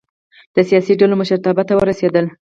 د سیاسي ډلو مشرتابه ته ورسېدل.